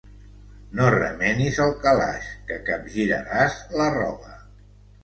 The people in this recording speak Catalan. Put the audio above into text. No remenis el calaix, que capgiraràs la roba.